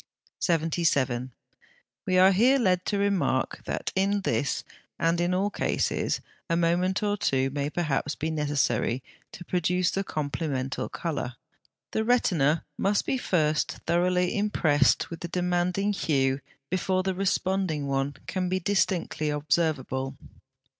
77. We are here led to remark that in this, and in all cases, a moment or two may perhaps be necessary to produce the complemental colour. The retina must be first thoroughly impressed with the demanding hue before the responding one can be distinctly observable.